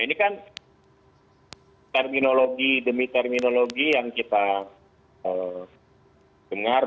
ini kan terminologi demi terminologi yang kita dengar